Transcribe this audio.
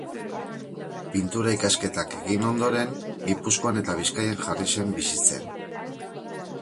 Pintura-ikasketak egin ondoren, Gipuzkoan eta Bizkaian jarri zen bizitzen.